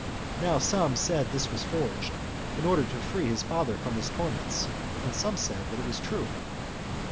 Now some said this was forged, in order to free his father from his torments; and some said it was true.